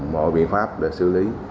mọi biện pháp để xử lý